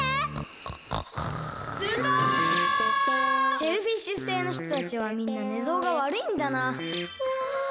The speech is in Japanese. シェルフィッシュ星のひとたちはみんなねぞうがわるいんだな。